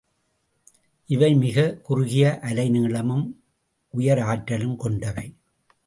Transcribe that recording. இவை மிகக் குறுகிய அலை நீளமும் உயர் ஆற்றலும் கொண்டவை.